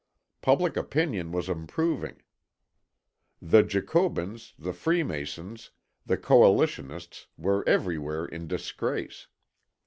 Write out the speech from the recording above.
Public opinion was improving. The Jacobins, the Freemasons, the Coalitionists were everywhere in disgrace.